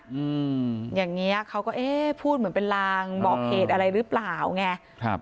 อืมอย่างเงี้ยเขาก็เอ๊ะพูดเหมือนเป็นลางบอกเหตุอะไรหรือเปล่าไงครับ